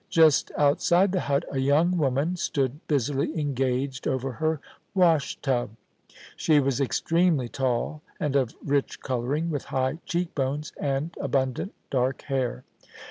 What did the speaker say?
Just outside the hut a young woman stood busily engaged over her wash tub. Sue was extremely tall and of rich colouring, with high cheek bones and abundant dark hair.